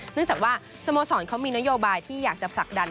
เนื่องจากว่าสโมสรเขามีนโยบายที่อยากจะผลักดัน